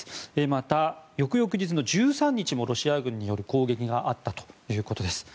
また、翌々日の１３日もロシア軍による攻撃があったということです。